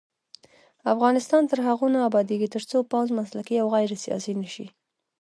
افغانستان تر هغو نه ابادیږي، ترڅو پوځ مسلکي او غیر سیاسي نشي.